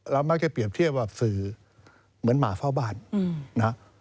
มักจะเปรียบเทียบว่าสื่อเหมือนหมาเฝ้าบ้านนะฮะ